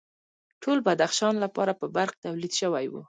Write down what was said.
ټول بدخشان لپاره به برق تولید شوی و